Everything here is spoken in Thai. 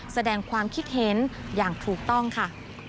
แสดงความคิดเห็นอย่างถูกต้องค่ะ